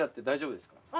大丈夫ですか？